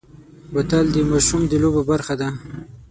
بوتل د ماشوم د لوبو برخه ده.